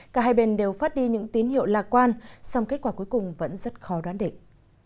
cả hai bên đều phát đi những tín hiệu lạc quan song kết quả cuối cùng vẫn rất khó đoán định